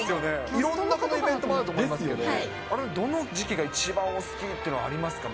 いろんなイベントがあると思いますけど、あれ、どの時期が一番お好きっていうのありますか？